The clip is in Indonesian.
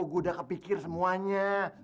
gue udah kepikir semuanya